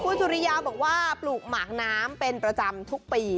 คุณสุริยาบอกว่าปลูกหมากน้ำเป็นประจำทุกปี